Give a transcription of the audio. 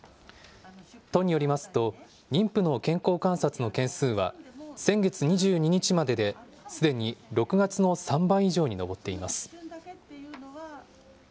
都によりますと、妊婦の健康観察の件数は、先月２２日までですでに６月の３倍以上に上っています。